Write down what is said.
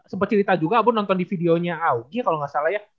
sempet cerita juga abu nonton di videonya augie kalau gak salah ya